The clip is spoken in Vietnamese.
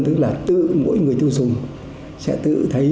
tức là tự mỗi người tiêu dùng sẽ tự thấy